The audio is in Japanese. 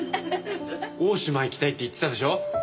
大島行きたいって言ってたでしょ？